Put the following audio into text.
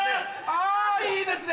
あいいですね！